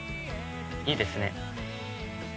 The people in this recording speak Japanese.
いいですね。